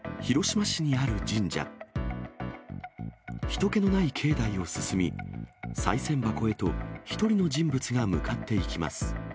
ひと気のない境内を進み、さい銭箱へと１人の人物が向かっていきます。